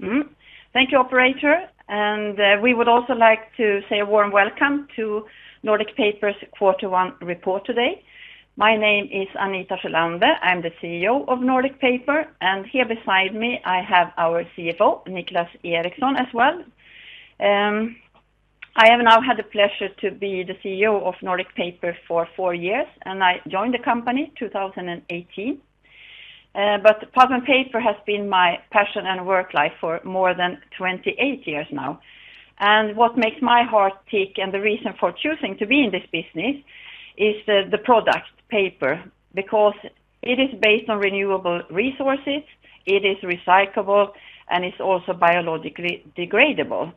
Thank you, operator. We would also like to say a warm welcome to Nordic Paper's quarter one report today. My name is Anita Sjölander, I'm the CEO of Nordic Paper, and here beside me, I have our CFO, Niclas Eriksson, as well. I have now had the pleasure to be the CEO of Nordic Paper for four years, and I joined the company 2018. Pulp and paper has been my passion and work life for more than 28 years now. What makes my heart tick and the reason for choosing to be in this business is the product paper, because it is based on renewable resources, it is recyclable, and it's also biologically degradable.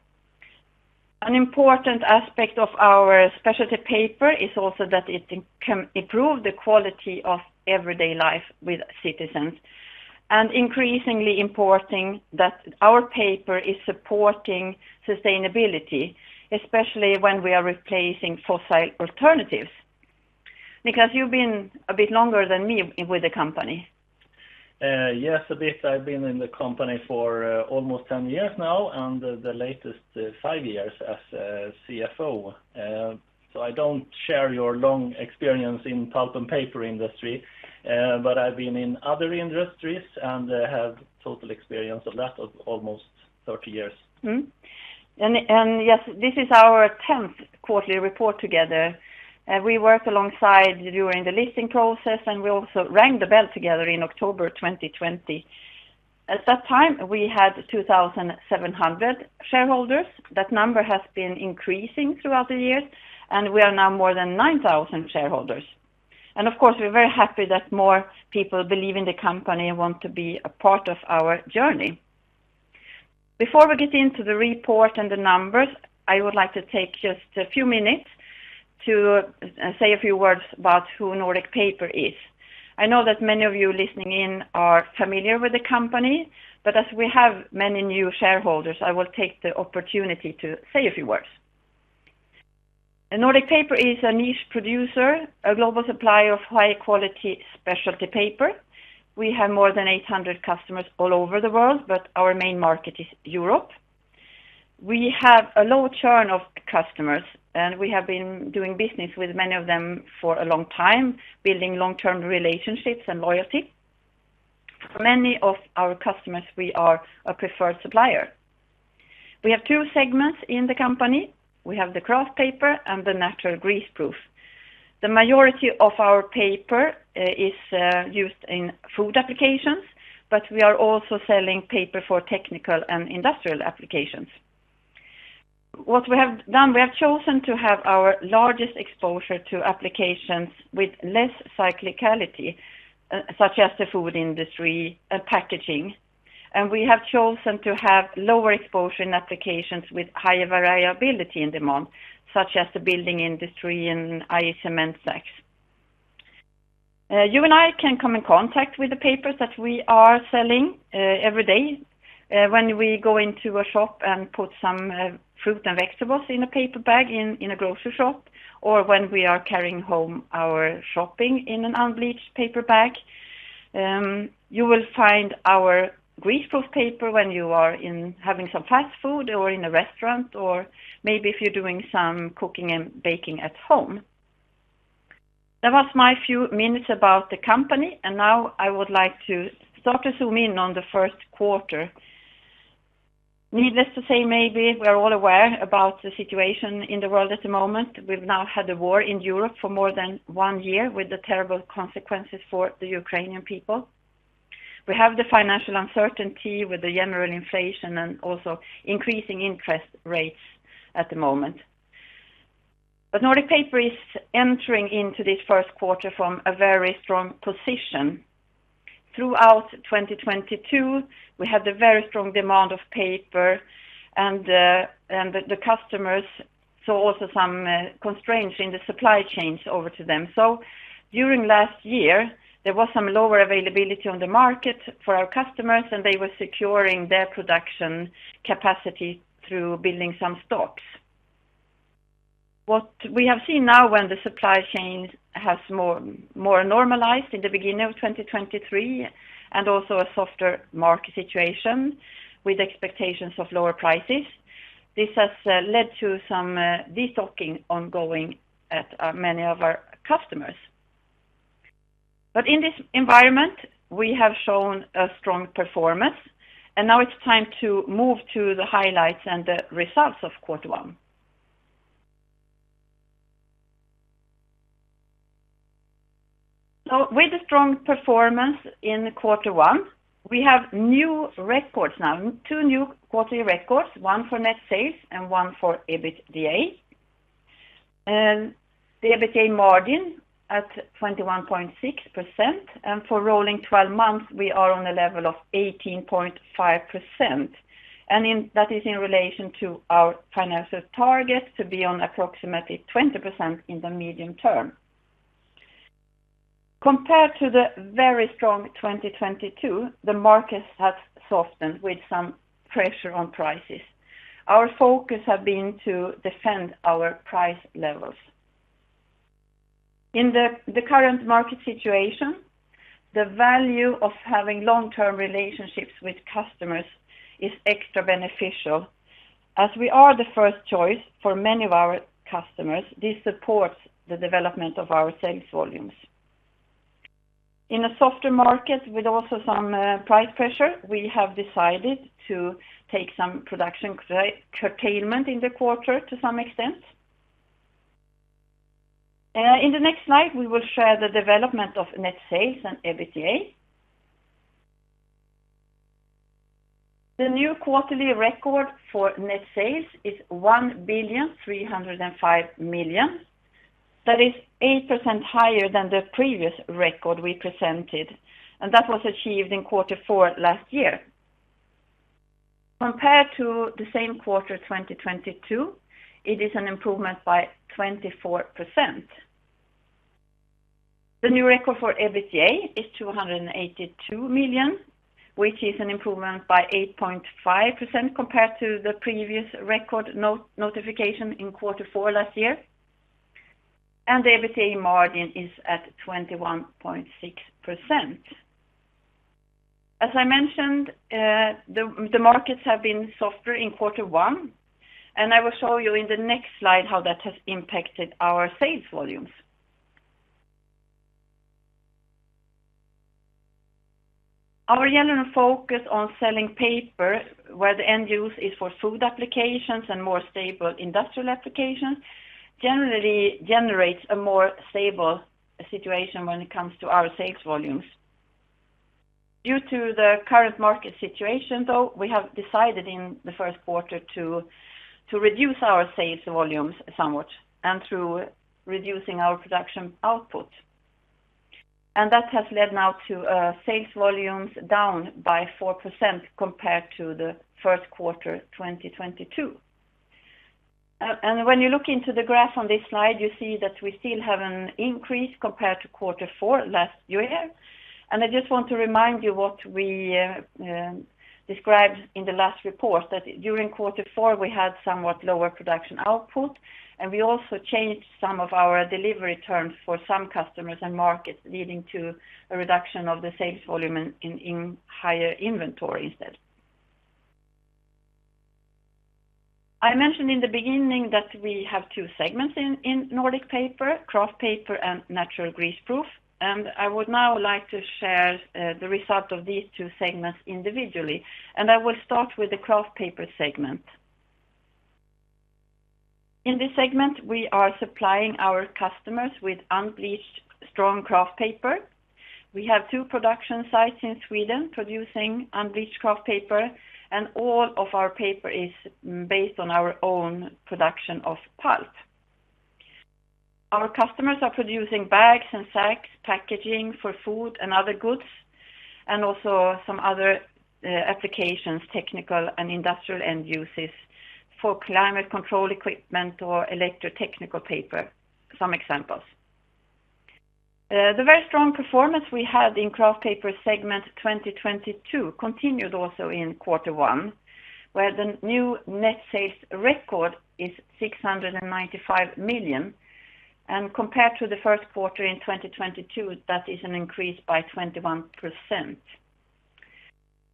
An important aspect of our specialty paper is also that it can improve the quality of everyday life with citizens. Increasingly importing that our paper is supporting sustainability, especially when we are replacing fossil alternatives. Niclas, you've been a bit longer than me with the company. Yes, a bit. I've been in the company for almost 10 years now, and the latest, five years as a CFO. I don't share your long experience in pulp and paper industry, but I've been in other industries, and I have total experience of that of almost 30 years. Yes, this is our 10th quarterly report together. We worked alongside during the listing process, and we also rang the bell together in October 2020. At that time, we had 2,700 shareholders. That number has been increasing throughout the years, and we are now more than 9,000 shareholders. Of course, we're very happy that more people believe in the company and want to be a part of our journey. Before we get into the report and the numbers, I would like to take just a few minutes to say a few words about who Nordic Paper is. I know that many of you listening in are familiar with the company, as we have many new shareholders, I will take the opportunity to say a few words. Nordic Paper is a niche producer, a global supplier of high quality specialty paper. We have more than 800 customers all over the world, but our main market is Europe. We have a low churn of customers, and we have been doing business with many of them for a long time, building long-term relationships and loyalty. For many of our customers, we are a preferred supplier. We have two segments in the company. We have the Kraft Paper and the Natural Greaseproof. The majority of our paper is used in food applications, but we are also selling paper for technical and industrial applications. What we have done, we have chosen to have our largest exposure to applications with less cyclicality, such as the food industry and packaging. We have chosen to have lower exposure in applications with higher variability in demand, such as the building industry and ISM and SACs. You and I can come in contact with the papers that we are selling every day when we go into a shop and put some fruit and vegetables in a paper bag in a grocery shop, or when we are carrying home our shopping in an unbleached paper bag. You will find our greaseproof paper when you are having some fast food or in a restaurant or maybe if you're doing some cooking and baking at home. That was my few minutes about the company, and now I would like to start to zoom in on the first quarter. Needless to say, maybe we are all aware about the situation in the world at the moment. We've now had the war in Europe for more than one year with the terrible consequences for the Ukrainian people. We have the financial uncertainty with the general inflation and also increasing interest rates at the moment. Nordic Paper is entering into this first quarter from a very strong position. Throughout 2022, we had a very strong demand of paper and the customers saw also some constraints in the supply chains over to them. During last year, there was some lower availability on the market for our customers, and they were securing their production capacity through building some stocks. What we have seen now when the supply chain has more normalized in the beginning of 2023 and also a softer market situation with expectations of lower prices, this has led to some destocking ongoing at many of our customers. In this environment, we have shown a strong performance, and now it's time to move to the highlights and the results of quarter one. With the strong performance in quarter one, we have new records now, two new quarterly records, one for net sales and one for EBITDA. The EBITDA margin at 21.6%, and for rolling 12 months, we are on a level of 18.5%. That is in relation to our financial target to be on approximately 20% in the medium term. Compared to the very strong 2022, the market has softened with some pressure on prices. Our focus have been to defend our price levels. In the current market situation, the value of having long-term relationships with customers is extra beneficial. As we are the first choice for many of our customers, this supports the development of our sales volumes. In a softer market with also some price pressure, we have decided to take some production curtailment in the quarter to some extent. In the next slide, we will share the development of net sales and EBITDA. The new quarterly record for net sales is 1,305 million. That is 8% higher than the previous record we presented, and that was achieved in Q4 last year. Compared to the same quarter, 2022, it is an improvement by 24%. The new record for EBITDA is 282 million, which is an improvement by 8.5% compared to the previous record not-notification in Q4 last year. The EBITDA margin is at 21.6%. As I mentioned, the markets have been softer in Q1, and I will show you in the next slide how that has impacted our sales volumes. Our general focus on selling paper, where the end use is for food applications and more stable industrial applications, generally generates a more stable situation when it comes to our sales volumes. Due to the current market situation, though, we have decided in Q1 to reduce our sales volumes somewhat and through reducing our production output. That has led now to sales volumes down by 4% compared to Q1 2022. When you look into the graph on this slide, you see that we still have an increase compared to quarter four last year. I just want to remind you what we described in the last report, that during quarter four, we had somewhat lower production output, and we also changed some of our delivery terms for some customers and markets, leading to a reduction of the sales volume in higher inventory instead. I mentioned in the beginning that we have two segments in Nordic Paper: Kraft Paper and Natural Greaseproof. I would now like to share the result of these two segments individually, and I will start with the Kraft Paper segment. In this segment, we are supplying our customers with unbleached strong Kraft Paper. We have two production sites in Sweden producing unbleached Kraft Paper, and all of our paper is based on our own production of pulp. Our customers are producing bags and sacks, packaging for food and other goods, and also some other applications, technical and industrial end uses for climate control equipment or electrotechnical paper, some examples. The very strong performance we had in Kraft Paper segment 2022 continued also in quarter one, where the new net sales record is 695 million. Compared to the first quarter in 2022, that is an increase by 21%.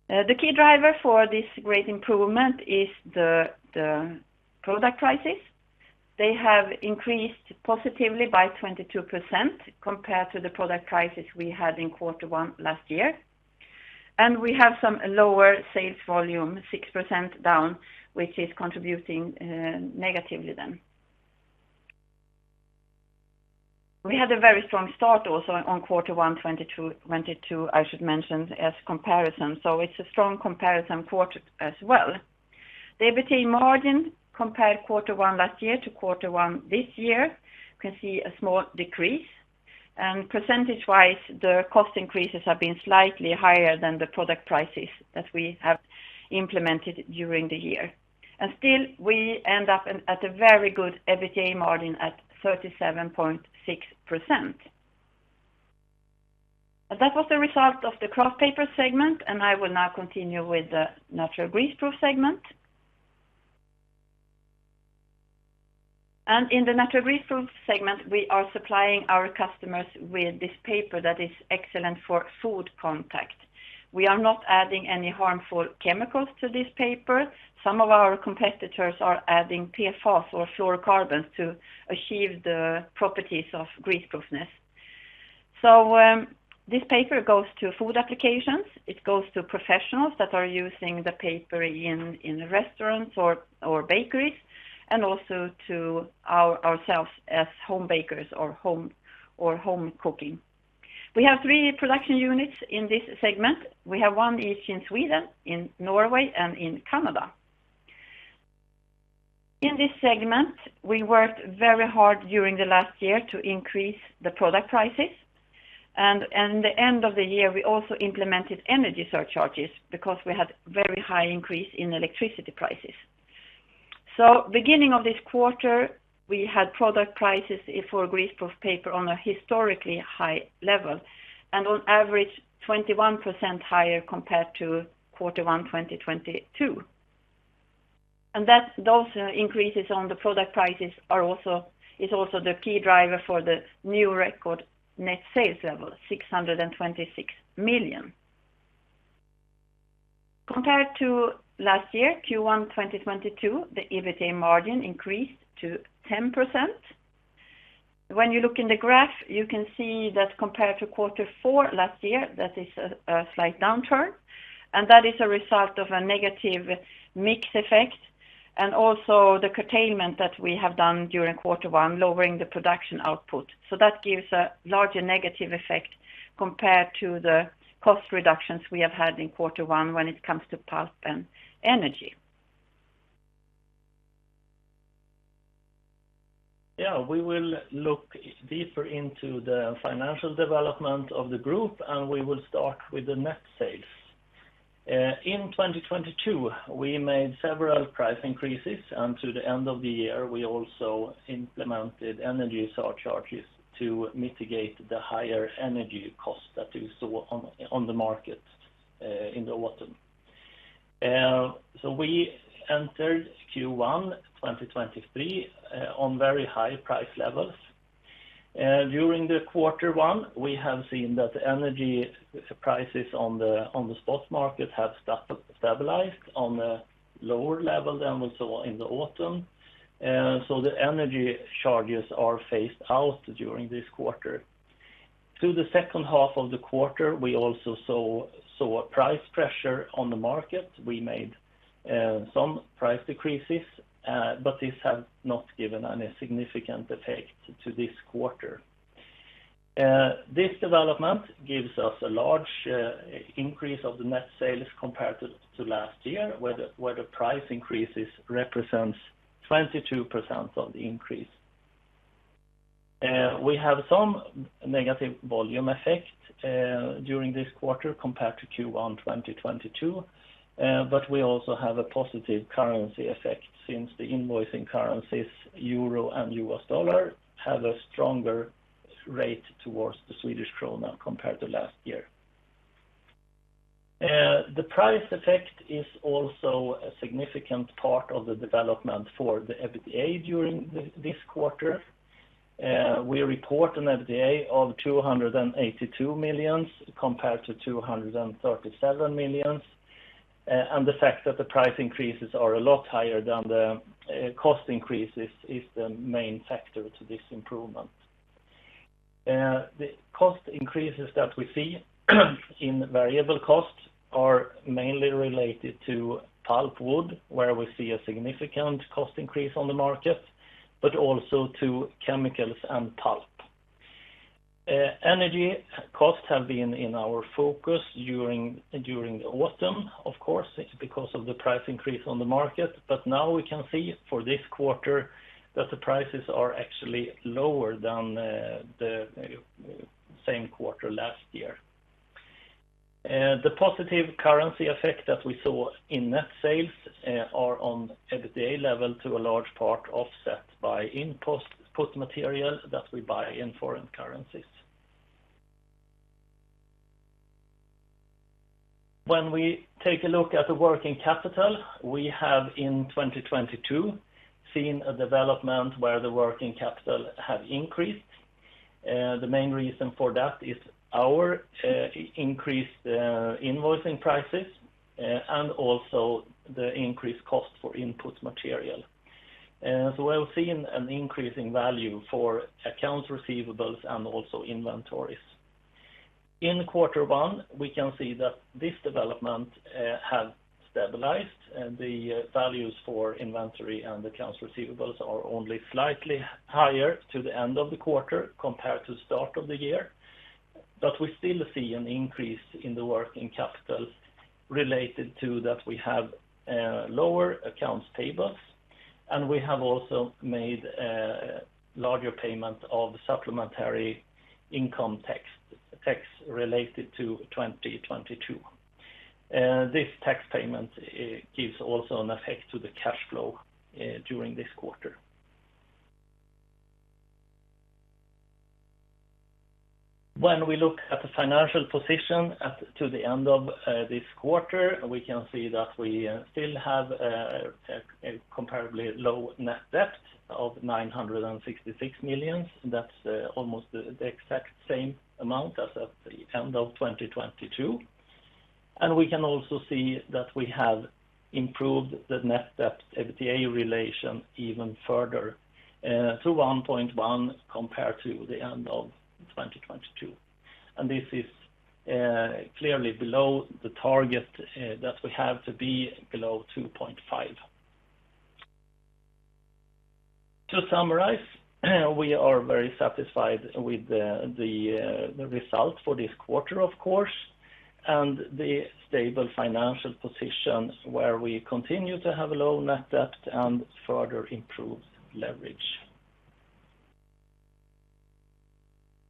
The key driver for this great improvement is the product prices. They have increased positively by 22% compared to the product prices we had in quarter one last year. We have some lower sales volume, 6% down, which is contributing negatively then. We had a very strong start also on Q1 2022, I should mention, as comparison. It's a strong comparison quarter as well. The EBITDA margin compared Q1 last year to Q1 this year, you can see a small decrease. Percentage-wise, the cost increases have been slightly higher than the product prices that we have implemented during the year. Still, we end up at a very good EBITDA margin at 37.6%. That was the result of the Kraft Paper segment, and I will now continue with the Natural Greaseproof segment. In the Natural Greaseproof segment, we are supplying our customers with this paper that is excellent for food contact. We are not adding any harmful chemicals to this paper. Some of our competitors are adding PFAS or fluorocarbons to achieve the properties of greaseproofness. This paper goes to food applications. It goes to professionals that are using the paper in restaurants or bakeries, and also to ourselves as home bakers or home cooking. We have three production units in this segment. We have one each in Sweden, in Norway, and in Canada. In this segment, we worked very hard during the last year to increase the product prices. The end of the year, we also implemented energy surcharges because we had very high increase in electricity prices. Beginning of this quarter, we had product prices for greaseproof paper on a historically high level, and on average, 21% higher compared to quarter one 2022. Those increases on the product prices is also the key driver for the new record net sales level, 626 million. Compared to last year, Q1 2022, the EBITA margin increased to 10%. When you look in the graph, you can see that compared to quarter four last year, that is a slight downturn, and that is a result of a negative mix effect, and also the curtailment that we have done during quarter one, lowering the production output. That gives a larger negative effect compared to the cost reductions we have had in quarter one when it comes to pulp and energy. We will look deeper into the financial development of the group, and we will start with the net sales. In 2022, we made several price increases, and to the end of the year, we also implemented energy surcharges to mitigate the higher energy costs that we saw on the market in the autumn. We entered Q1 2023 on very high price levels. During the quarter one, we have seen that the energy prices on the stock market have stabilized on a lower level than we saw in the autumn. The energy charges are phased out during this quarter. Through the second half of the quarter, we also saw a price pressure on the market. We made some price decreases, but these have not given any significant effect to this quarter. This development gives us a large increase of the net sales compared to last year, where the price increases represents 22% of the increase. We have some negative volume effect during this quarter compared to Q1 2022. We also have a positive currency effect since the invoicing currencies, EUR and USD, have a stronger rate towards the SEK compared to last year. The price effect is also a significant part of the development for the EBITDA during this quarter. We report an EBITDA of 282 million compared to 237 million, and the fact that the price increases are a lot higher than the cost increases is the main factor to this improvement. The cost increases that we see in variable costs are mainly related to pulpwood, where we see a significant cost increase on the market, but also to chemicals and pulp. Energy costs have been in our focus during the autumn, of course, because of the price increase on the market. Now we can see for this quarter that the prices are actually lower than the same quarter last year. The positive currency effect that we saw in net sales are on EBITDA level to a large part offset by input material that we buy in foreign currencies. When we take a look at the working capital, we have in 2022 seen a development where the working capital have increased. The main reason for that is our increased invoicing prices, and also the increased cost for input material. We've seen an increasing value for accounts receivables and also inventories. In quarter one, we can see that this development has stabilized, and the values for inventory and accounts receivables are only slightly higher to the end of the quarter compared to start of the year. We still see an increase in the working capital related to that we have lower accounts payables, and we have also made a larger payment of supplementary income tax related to 2022. This tax payment gives also an effect to the cash flow during this quarter. When we look at the financial position to the end of this quarter, we can see that we still have a comparably low net debt of 966 million. That's almost the exact same amount as at the end of 2022. We can also see that we have improved the net debt/EBITDA relation even further, to 1.1 compared to the end of 2022. This is clearly below the target that we have to be below 2.5. To summarize, we are very satisfied with the results for this quarter, of course, and the stable financial position where we continue to have a low net debt and further improved leverage.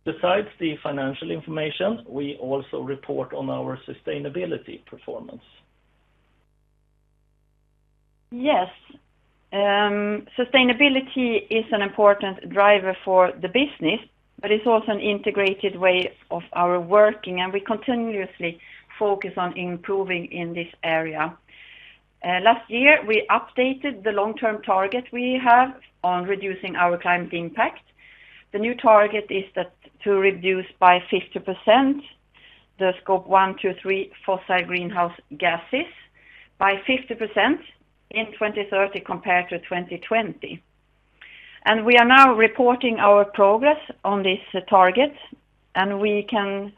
Besides the financial information, we also report on our sustainability performance. Yes. Sustainability is an important driver for the business, but it's also an integrated way of our working, we continuously focus on improving in this area. Last year, we updated the long-term target we have on reducing our climate impact. The new target is that to reduce by 50% the Scope one, two, three fossil greenhouse gases by 50% in 2030 compared to 2020. We are now reporting our progress on this target, and we can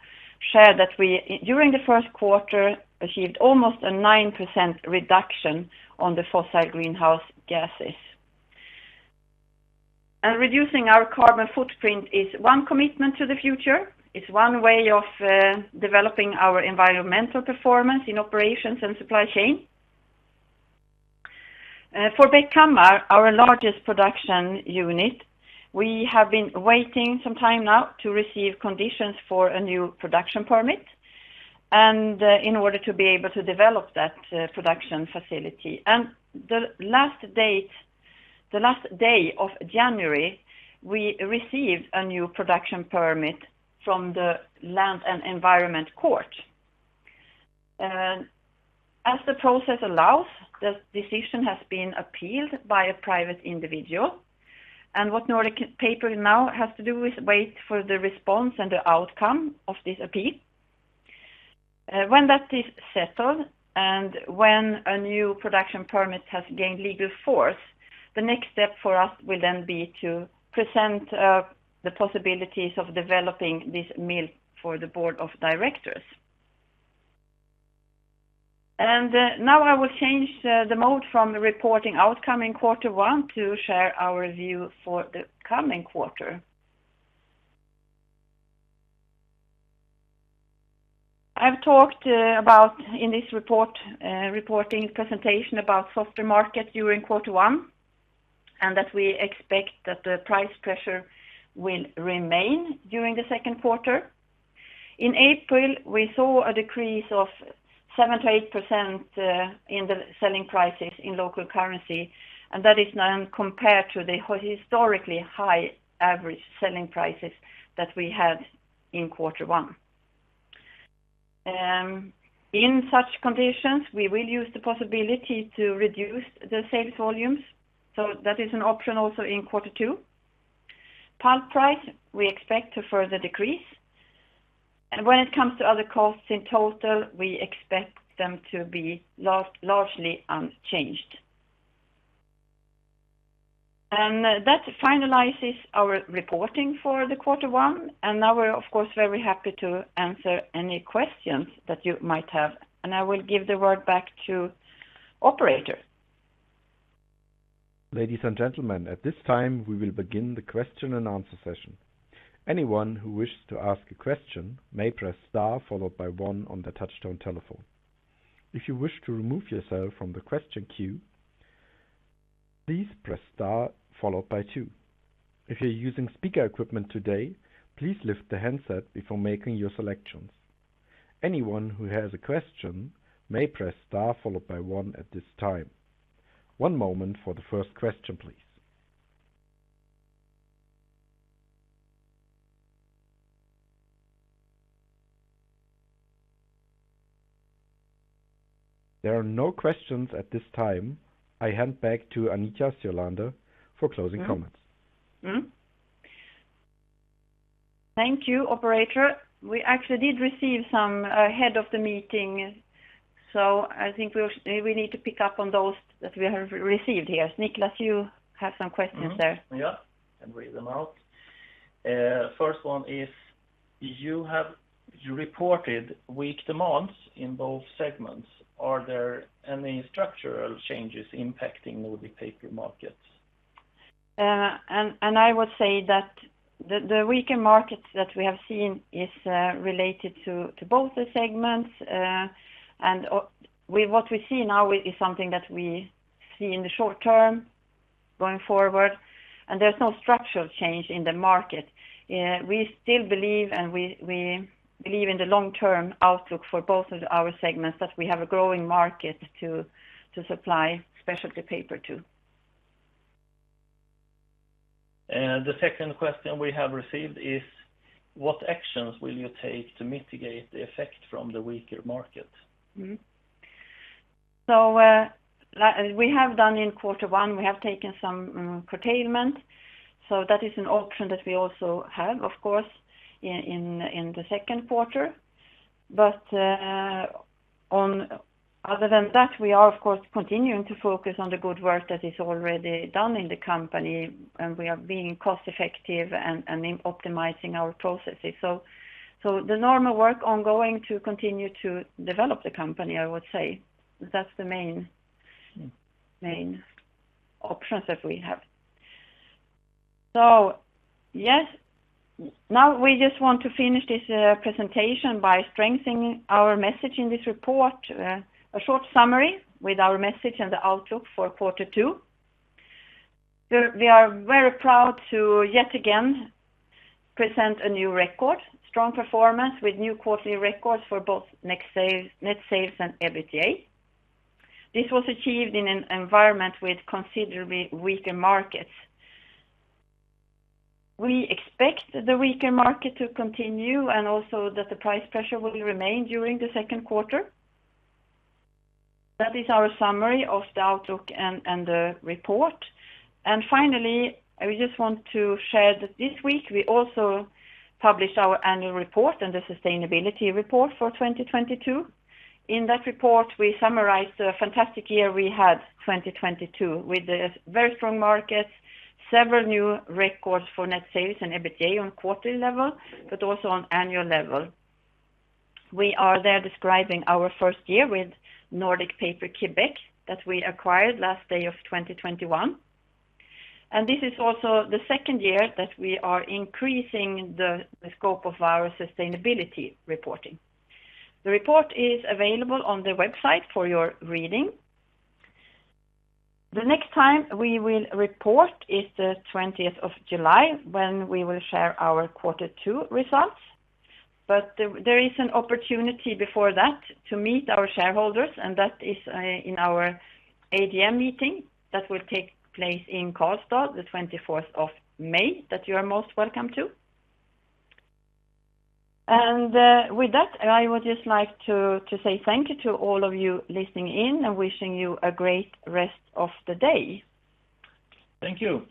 share that we, during the first quarter, achieved almost a 9% reduction on the fossil greenhouse gases. Reducing our carbon footprint is one commitment to the future. It's one way of developing our environmental performance in operations and supply chain. For Bäckhammar, our largest production unit, we have been waiting some time now to receive conditions for a new production permit, and in order to be able to develop that production facility. The last date, the last day of January, we received a new production permit from the Land and Environment Court. As the process allows, the decision has been appealed by a private individual. What Nordic Paper now has to do is wait for the response and the outcome of this appeal. When that is settled and when a new production permit has gained legal force, the next step for us will then be to present the possibilities of developing this mill for the board of directors. Now I will change the mode from the reporting outcome in quarter one to share our view for the coming quarter. I've talked about in this report, reporting presentation about softer market during quarter one, and that we expect that the price pressure will remain during the second quarter. In April, we saw a decrease of 7%-8% in the selling prices in local currency, and that is now compared to the historically high average selling prices that we had in quarter one. In such conditions, we will use the possibility to reduce the sales volumes. That is an option also in quarter two. Pulp price, we expect to further decrease. When it comes to other costs in total, we expect them to be largely unchanged. That finalizes our reporting for the quarter one. Now we're, of course, very happy to answer any questions that you might have. I will give the word back to operator. Ladies and gentlemen, at this time, we will begin the Q&A session. Anyone who wishes to ask a question may press star followed by one on the touchtone telephone. If you wish to remove yourself from the question queue, please press star followed by two. If you're using speaker equipment today, please lift the handset before making your selections. Anyone who has a question may press star followed by one at this time. One moment for the first question, please. There are no questions at this time. I hand back to Anita Sjölander for closing comments. Thank you, operator. We actually did receive some ahead of the meeting, I think we need to pick up on those that we have received here. Niclas, you have some questions there. Yeah. I read them out. First one is, you have reported weak demands in both segments. Are there any structural changes impacting Nordic Paper markets? I would say that the weaker markets that we have seen is related to both the segments. With what we see now is something that we see in the short term going forward, there's no structural change in the market. We still believe and we believe in the long-term outlook for both of our segments that we have a growing market to supply specialty paper to. The 2nd question we have received is, what actions will you take to mitigate the effect from the weaker market? We have done in quarter one, we have taken some curtailment. That is an option that we also have, of course, in the second quarter. Other than that, we are, of course, continuing to focus on the good work that is already done in the company, and we are being cost-effective and optimizing our processes. The normal work ongoing to continue to develop the company, I would say. That's the main options that we have. Now we just want to finish this presentation by strengthening our message in this report, a short summary with our message and the outlook for quarter two. We are very proud to, yet again, present a new record, strong performance with new quarterly records for both net sales and EBITDA. This was achieved in an environment with considerably weaker markets. We expect the weaker market to continue and also that the price pressure will remain during the second quarter. That is our summary of the outlook and the report. Finally, I just want to share that this week, we also published our annual report and the sustainability report for 2022. In that report, we summarized a fantastic year we had, 2022, with a very strong market, several new records for net sales and EBITDA on quarterly level, but also on annual level. We are there describing our first year with Nordic Paper Québec that we acquired last day of 2021. This is also the second year that we are increasing the scope of our sustainability reporting. The report is available on the website for your reading. The next time we will report is the twentieth of July, when we will share our quarter two results. There is an opportunity before that to meet our shareholders, and that is in our AGM meeting that will take place in Karlstad, the twenty-fourth of May, that you are most welcome to. With that, I would just like to say thank you to all of you listening in and wishing you a great rest of the day. Thank you.